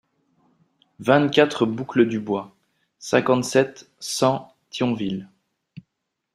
vingt-quatre boucle du Bois, cinquante-sept, cent, Thionville